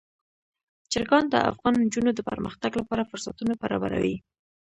چرګان د افغان نجونو د پرمختګ لپاره فرصتونه برابروي.